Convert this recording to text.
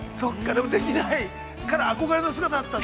◆でもできないから憧れの姿だった。